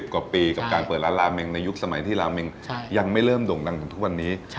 กว่าปีกับการเปิดร้านลาเมงในยุคสมัยที่ลาเมงยังไม่เริ่มโด่งดังถึงทุกวันนี้